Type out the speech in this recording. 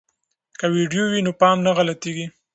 که ویډیو وي نو پام نه غلطیږي.